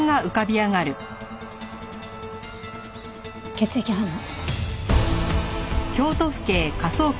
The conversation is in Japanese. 血液反応。